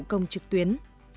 công trực tuyến